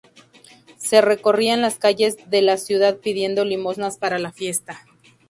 Se recorrían las calles de la ciudad pidiendo limosnas para la fiesta.